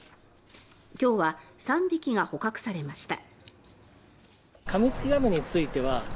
今日は３匹が捕獲されました。